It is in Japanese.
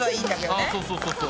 あそうそうそうそう。